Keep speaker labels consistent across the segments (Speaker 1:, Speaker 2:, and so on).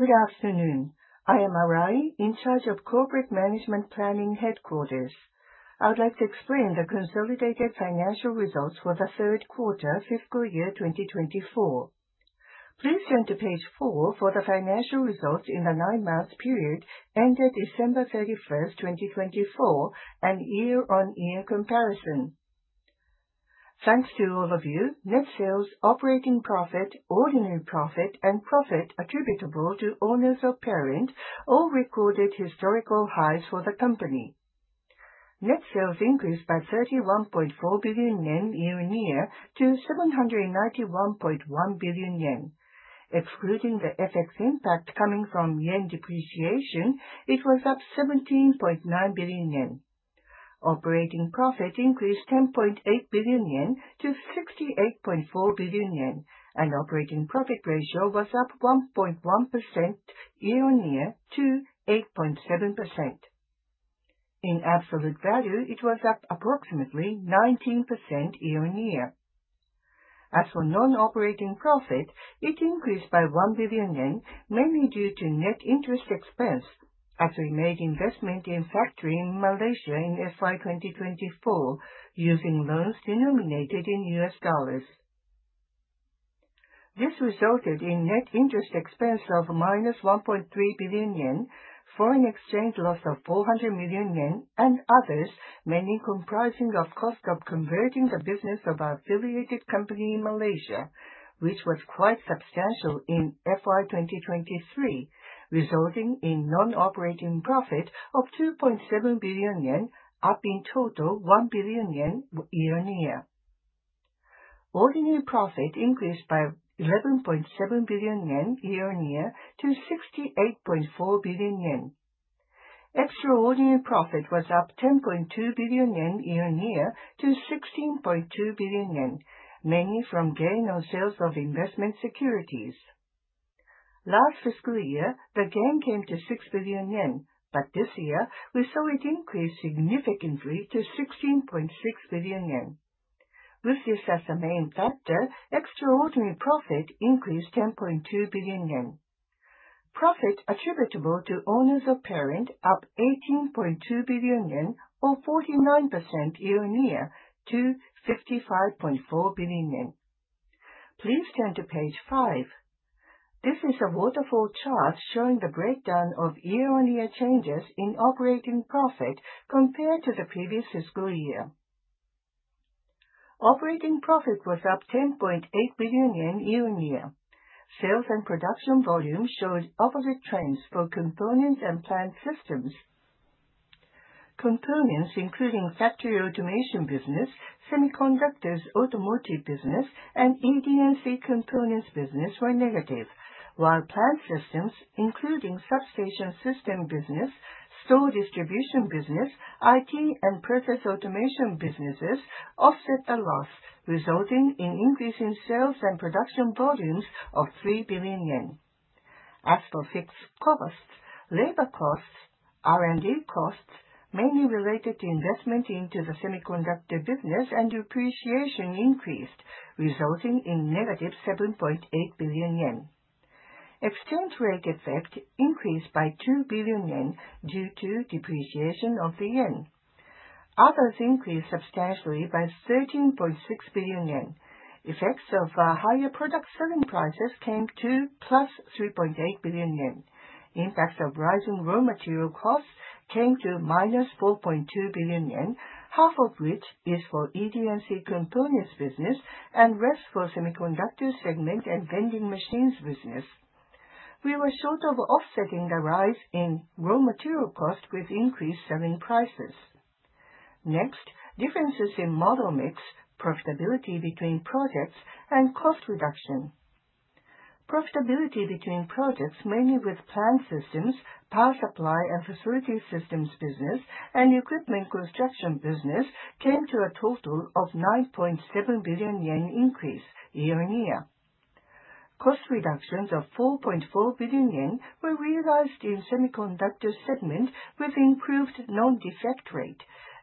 Speaker 1: Good afternoon. I am Arai, in charge of Corporate Management Planning Headquarters. I would like to explain the consolidated financial results for the third quarter, fiscal year 2024. Please turn to page four for the financial results in the nine-month period ended December 31, 2024, and year-on-year comparison. Turns to overview, net sales, operating profit, ordinary profit, and profit attributable to owners of parent all recorded historical highs for the company. Net sales increased by 31.4 billion yen year-on-year to 791.1 billion yen. Excluding the FX impact coming from yen depreciation, it was up 17.9 billion yen. Operating profit increased 10.8 billion yen to 68.4 billion yen, and operating profit ratio was up 1.1% year-on-year to 8.7%. In absolute value, it was up approximately 19% year-on-year. As for non-operating profit, it increased by 1 billion yen, mainly due to net interest expense, as we made investment in a factory in Malaysia in FY 2024 using loans denominated in U.S. dollars. This resulted in net interest expense of -1.3 billion yen, foreign exchange loss of 400 million yen, and others mainly comprising of cost of converting the business of our affiliated company in Malaysia, which was quite substantial in FY 2023, resulting in non-operating profit of 2.7 billion yen, up in total 1 billion yen year-on-year. Ordinary profit increased by 11.7 billion yen year-on-year to 68.4 billion yen. Extraordinary profit was up 10.2 billion yen year-on-year to 16.2 billion yen, mainly from gain on sales of investment securities. Last fiscal year, the gain came to 6 billion yen, but this year we saw it increase significantly to 16.6 billion yen. With this as the main factor, extraordinary profit increased 10.2 billion yen. Profit attributable to owners of parent up 18.2 billion yen or 49% year-on-year to 55.4 billion yen. Please turn to page five. This is a waterfall chart showing the breakdown of year-on-year changes in operating profit compared to the previous fiscal year. Operating profit was up 10.8 billion yen year-on-year. Sales and production volume showed opposite trends for components and plant systems. Components, including factory automation business, semiconductors, automotive business, and ED&C components business, were negative, while plant systems, including substation system business, store distribution business, IT, and process automation businesses, offset the loss, resulting in increasing sales and production volumes of 3 billion yen. As for fixed costs, labor costs, R&D costs, mainly related to investment into the semiconductor business, and depreciation increased, resulting in -7.8 billion yen. Exchange rate effect increased by 2 billion yen due to depreciation of the yen. Others increased substantially by 13.6 billion yen. Effects of higher product selling prices came to +3.8 billion yen. Impacts of rising raw material costs came to -4.2 billion yen, half of which is for ED&C components business and rest for semiconductor segment and vending machines business. We were short of offsetting the rise in raw material cost with increased selling prices. Next, differences in model mix, profitability between projects, and cost reduction. Profitability between projects, mainly with plant systems, power supply and facility systems business, and equipment construction business, came to a total of 9.7 billion yen increase year-on-year. Cost reductions of 4.4 billion yen were realized in semiconductor segment with improved non-defect rate,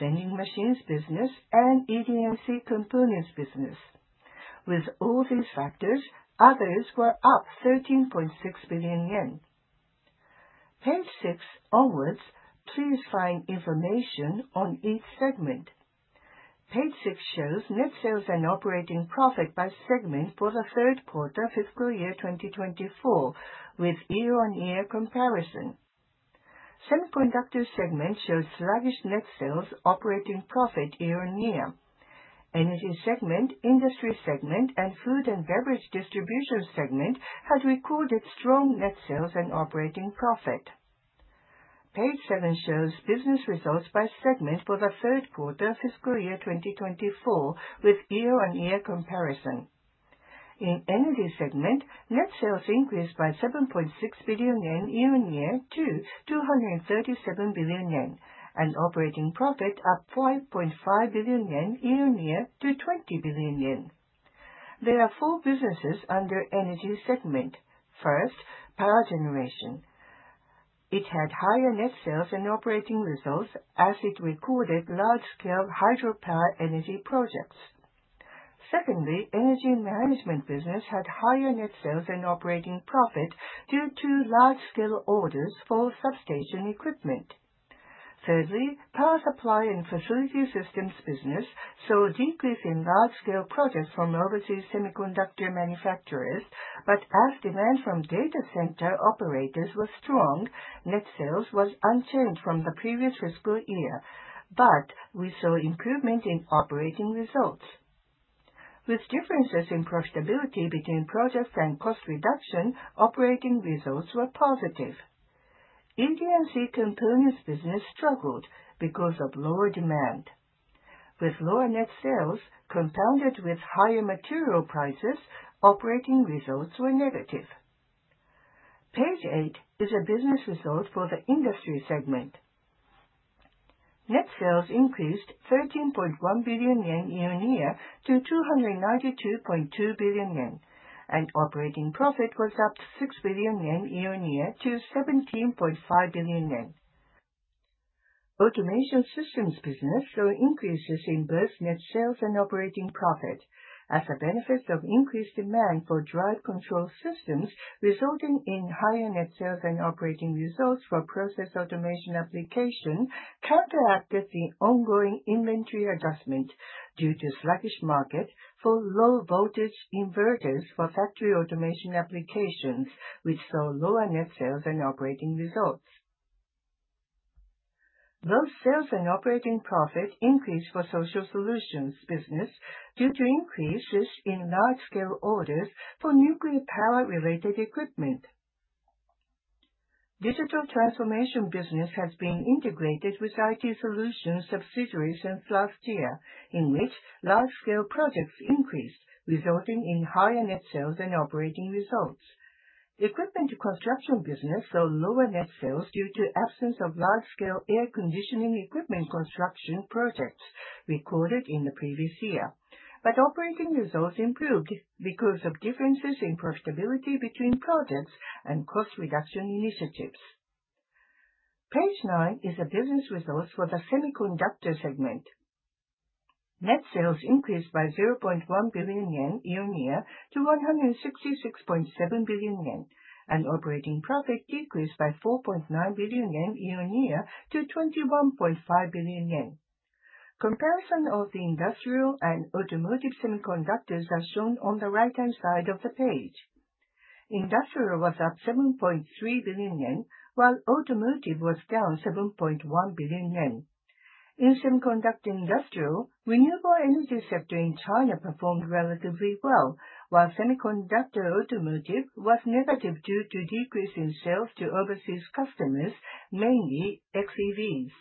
Speaker 1: vending machines business, and ED&C components business. With all these factors, others were up 13.6 billion yen. Page six onward, please find information on each segment. Page six shows net sales and operating profit by segment for the third quarter, fiscal year 2024, with year-on-year comparison. Semiconductor segment shows sluggish net sales, operating profit year-on-year. Energy segment, industry segment, and food and beverage distribution segment had recorded strong net sales and operating profit. Page seven shows business results by segment for the third quarter, fiscal year 2024, with year-on-year comparison. In energy segment, net sales increased by 7.6 billion yen year-on-year to 237 billion yen, and operating profit up 5.5 billion yen year-on-year to 20 billion yen. There are four businesses under energy segment. First, power generation. It had higher net sales and operating results as it recorded large-scale hydropower energy projects. Secondly, energy management business had higher net sales and operating profit due to large-scale orders for substation equipment. Thirdly, power supply and facility systems business saw decrease in large-scale projects from overseas semiconductor manufacturers, but as demand from data center operators was strong, net sales was unchanged from the previous fiscal year, but we saw improvement in operating results. With differences in profitability between projects and cost reduction, operating results were positive. ED&C components business struggled because of lower demand. With lower net sales compounded with higher material prices, operating results were negative. Page eight is a business result for the industry segment. Net sales increased 13.1 billion yen year-on-year to 292.2 billion yen, and operating profit was up 6 billion yen year-on-year to 17.5 billion yen. Automation systems business saw increases in both net sales and operating profit, as the benefits of increased demand for drive control systems resulting in higher net sales and operating results for process automation application counteracted the ongoing inventory adjustment due to sluggish market for low-voltage inverters for factory automation applications, which saw lower net sales and operating results. Both sales and operating profit increased for social solutions business due to increases in large-scale orders for nuclear power-related equipment. Digital transformation business has been integrated with IT solution subsidiaries since last year, in which large-scale projects increased, resulting in higher net sales and operating results. Equipment construction business saw lower net sales due to absence of large-scale air conditioning equipment construction projects recorded in the previous year, but operating results improved because of differences in profitability between projects and cost reduction initiatives. Page nine is a business result for the semiconductor segment. Net sales increased by 0.1 billion yen year-on-year to 166.7 billion yen, and operating profit decreased by 4.9 billion yen year-on-year to 21.5 billion yen. Comparison of the industrial and automotive semiconductors as shown on the right-hand side of the page. Industrial was up 7.3 billion yen, while automotive was down 7.1 billion yen. In semiconductor industrial, renewable energy sector in China performed relatively well, while semiconductor automotive was negative due to decrease in sales to overseas customers, mainly xEVs.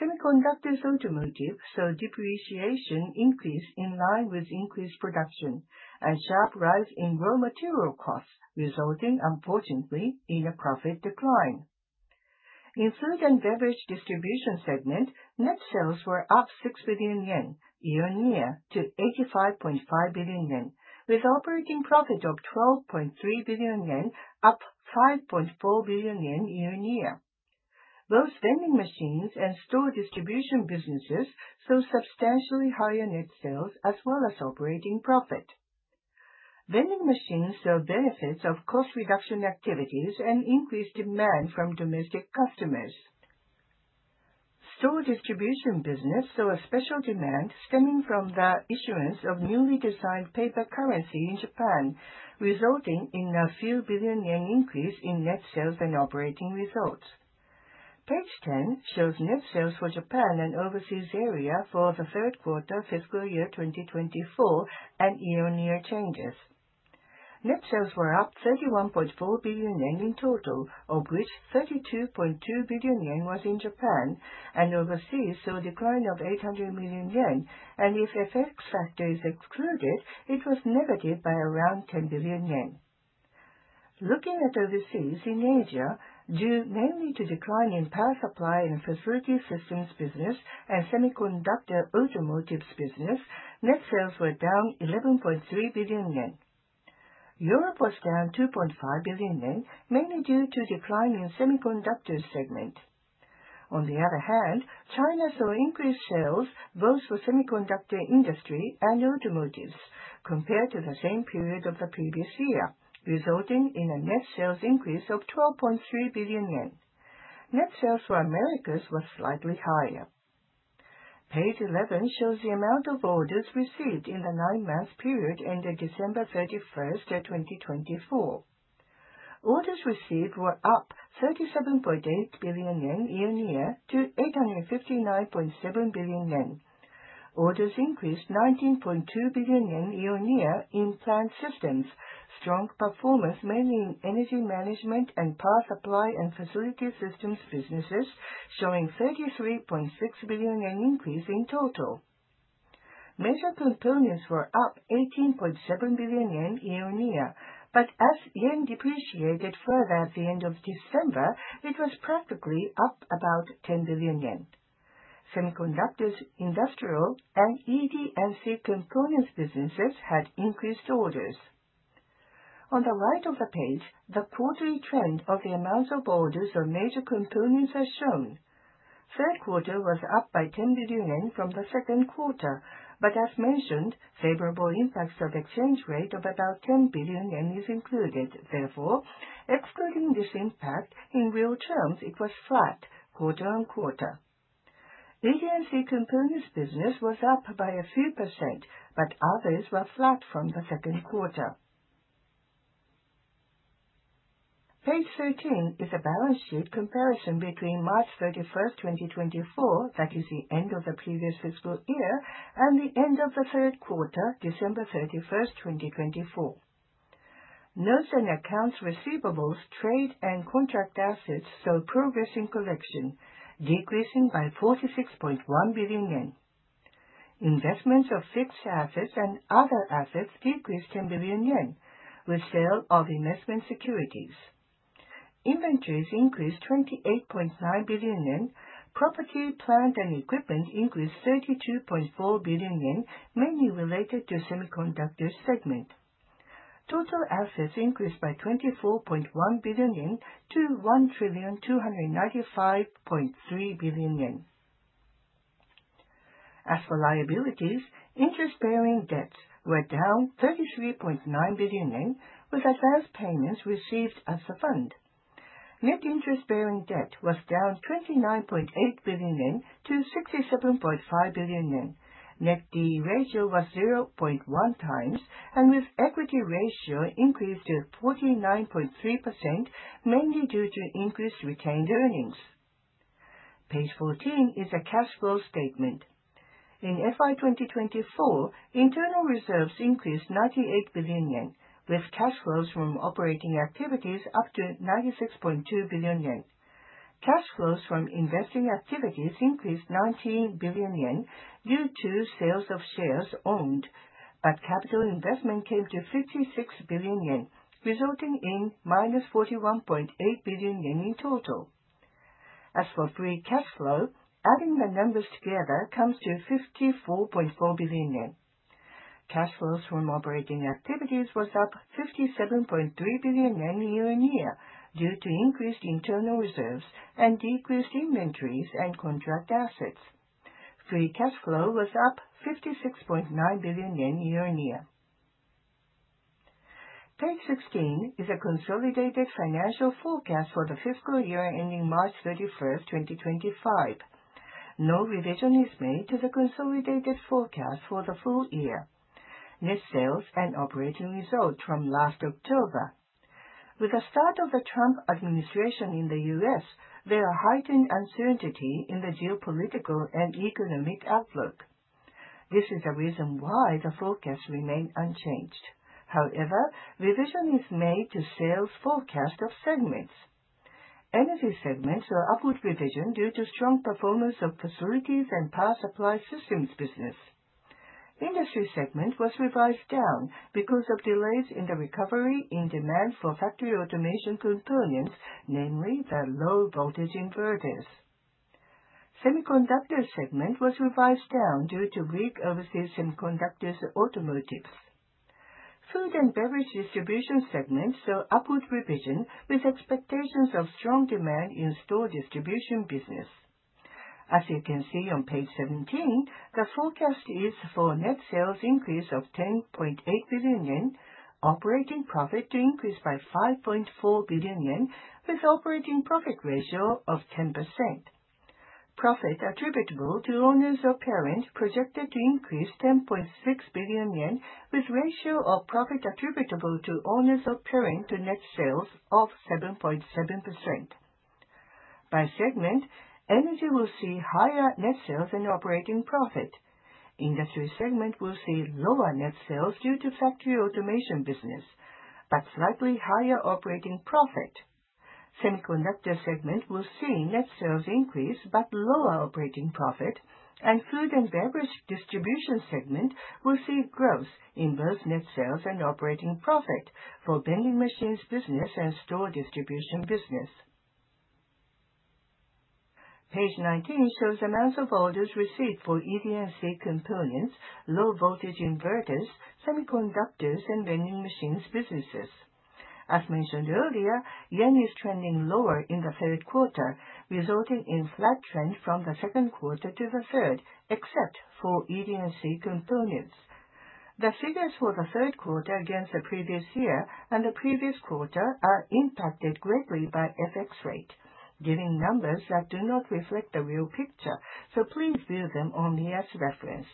Speaker 1: Semiconductors automotive saw depreciation increase in line with increased production, and sharp rise in raw material costs, resulting unfortunately in a profit decline. In food and beverage distribution segment, net sales were up 6 billion yen year-on-year to 85.5 billion yen, with operating profit of 12.3 billion yen up 5.4 billion yen year-on-year. Both vending machines and store distribution businesses saw substantially higher net sales as well as operating profit. Vending machines saw benefits of cost reduction activities and increased demand from domestic customers. Store distribution business saw a special demand stemming from the issuance of newly designed paper currency in Japan, resulting in a few billion yen increase in net sales and operating results. Page 10 shows net sales for Japan and overseas area for the third quarter, fiscal year 2024, and year-on-year changes. Net sales were up 31.4 billion yen in total, of which 32.2 billion yen was in Japan, and overseas saw a decline of 800 million yen, and if FX factors excluded, it was negative by around 10 billion yen. Looking at overseas in Asia, due mainly to decline in power supply and facility systems business and semiconductor automotive business, net sales were down 11.3 billion yen. Europe was down 2.5 billion yen, mainly due to decline in semiconductor segment. On the other hand, China saw increased sales both for semiconductor industry and automotives compared to the same period of the previous year, resulting in a net sales increase of 12.3 billion yen. Net sales for Americas was slightly higher. Page 11 shows the amount of orders received in the nine-month period ended December 31, 2024. Orders received were up 37.8 billion yen year-on-year to 859.7 billion yen. Orders increased 19.2 billion yen year-on-year in plant systems, strong performance mainly in energy management and power supply and facility systems businesses, showing 33.6 billion yen increase in total. Major components were up 18.7 billion yen year-on-year, but as yen depreciated further at the end of December, it was practically up about 10 billion yen. Semiconductors, industrial, and ED&C components businesses had increased orders. On the right of the page, the quarterly trend of the amounts of orders of major components as shown. Third quarter was up by 10 billion yen from the second quarter, but as mentioned, favorable impacts of exchange rate of about 10 billion yen is included. Therefore, excluding this impact, in real terms, it was flat quarter on quarter. ED&C components business was up by a few percent, but others were flat from the second quarter. Page 13 is a balance sheet comparison between March 31, 2024, that is the end of the previous fiscal year, and the end of the third quarter, December 31, 2024. Notes and accounts receivables, trade, and contract assets saw progress in collection, decreasing by 46.1 billion yen. Investments of fixed assets and other assets decreased 10 billion yen, with sale of investment securities. Inventories increased 28.9 billion yen. Property, plant, and equipment increased 32.4 billion yen, mainly related to semiconductor segment. Total assets increased by 24.1 billion yen to 1,295.3 billion yen. As for liabilities, interest-bearing debts were down 33.9 billion yen, with advance payments received as a fund. Net interest-bearing debt was down 29.8 billion yen to 67.5 billion yen. Net D ratio was 0.1x, and with equity ratio increased to 49.3%, mainly due to increased retained earnings. Page 14 is a cash flow statement. In FY 2024, internal reserves increased 98 billion yen, with cash flows from operating activities up to 96.2 billion yen. Cash flows from investing activities increased 19 billion yen due to sales of shares owned, but capital investment came to 56 billion yen, resulting in -41.8 billion yen in total. As for free cash flow, adding the numbers together comes to 54.4 billion yen. Cash flows from operating activities was up 57.3 billion yen year-on-year due to increased internal reserves and decreased inventories and contract assets. Free cash flow was up 56.9 billion yen year-on-year. Page 16 is a consolidated financial forecast for the fiscal year ending March 31, 2025. No revision is made to the consolidated forecast for the full year. Net sales and operating result from last October. With the start of the Trump administration in the U.S., there are heightened uncertainty in the geopolitical and economic outlook. This is the reason why the forecast remained unchanged. However, revision is made to sales forecast of segments. Energy segment saw upward revision due to strong performance of facilities and power supply systems business. Industry segment was revised down because of delays in the recovery in demand for factory automation components, namely the low-voltage inverters. Semiconductor segment was revised down due to weak overseas semiconductors automotives. Food and beverage distribution segment saw upward revision with expectations of strong demand in store distribution business. As you can see on page 17, the forecast is for net sales increase of 10.8 billion yen, operating profit to increase by 5.4 billion yen, with operating profit ratio of 10%. Profit attributable to owners of parent projected to increase 10.6 billion yen, with ratio of profit attributable to owners of parent to net sales of 7.7%. By segment, energy will see higher net sales and operating profit. Industry segment will see lower net sales due to factory automation business, but slightly higher operating profit. Semiconductor segment will see net sales increase but lower operating profit, and food and beverage distribution segment will see growth in both net sales and operating profit for vending machines business and store distribution business. Page 19 shows amounts of orders received for ED&C components, low-voltage inverters, semiconductors, and vending machines businesses. As mentioned earlier, yen is trending lower in the third quarter, resulting in flat trend from the second quarter to the third, except for ED&C components. The figures for the third quarter against the previous year and the previous quarter are impacted greatly by FX rate, giving numbers that do not reflect the real picture, so please view them only as reference.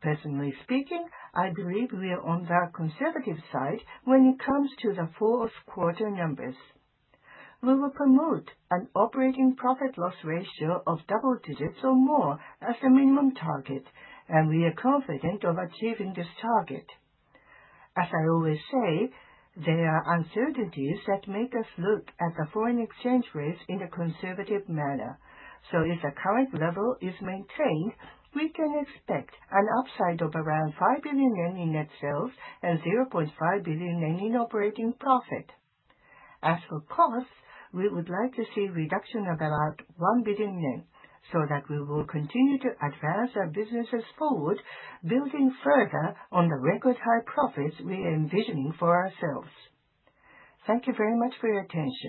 Speaker 1: Personally speaking, I believe we are on the conservative side when it comes to the fourth quarter numbers. We will promote an operating profit-loss ratio of double digits or more as the minimum target, and we are confident of achieving this target. As I always say, there are uncertainties that make us look at the foreign exchange rates in a conservative manner, so if the current level is maintained, we can expect an upside of around 5 billion yen in net sales and 0.5 billion yen in operating profit. As for costs, we would like to see reduction of about 1 billion yen, so that we will continue to advance our businesses forward, building further on the record high profits we are envisioning for ourselves. Thank you very much for your attention.